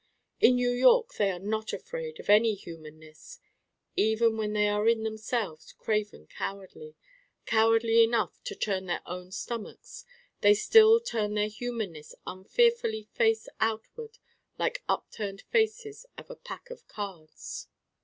In New York they are not afraid of any humanness. Even when they are in themselves craven cowardly, cowardly enough to turn their own stomachs, they still turn their humanness unfearfully face outward like upturned faces of a pack of cards.